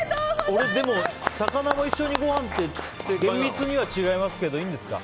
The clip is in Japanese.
俺、でも魚も一緒にごはんって厳密には違いますけどいいんですか。